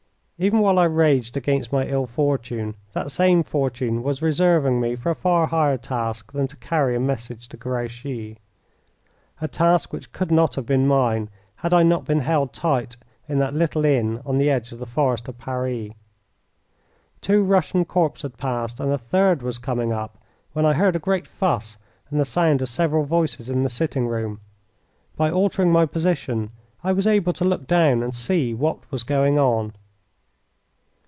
Even while I raged against my ill fortune, that same fortune was reserving me for a far higher task than to carry a message to Grouchy a task which could not have been mine had I not been held tight in that little inn on the edge of the Forest of Paris. Two Prussian corps had passed and a third was coming up, when I heard a great fuss and the sound of several voices in the sitting room. By altering my position I was able to look down and see what was going on.